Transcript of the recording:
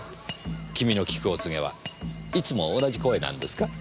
君の聞くお告げはいつも同じ声なんですか？